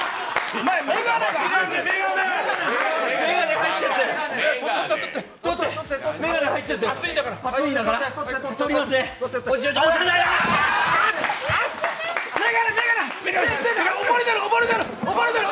お前、眼鏡が入っちゃってるよ。